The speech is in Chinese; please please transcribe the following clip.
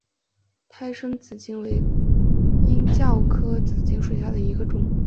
胎生紫堇为罂粟科紫堇属下的一个种。